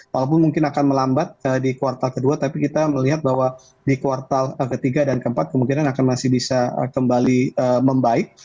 walaupun mungkin akan melambat di kuartal kedua tapi kita melihat bahwa di kuartal ketiga dan keempat kemungkinan akan masih bisa kembali membaik